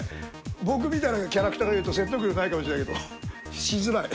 僕みたいなキャラクターが言うと説得力ないかもしれないけどしづらい。